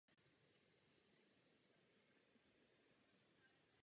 Zakladateli mošavu byli židovští přistěhovalci z Libye a severní Afriky.